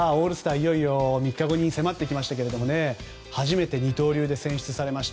いよいよ３日後に迫ってきましたが初めて二刀流で選出されました。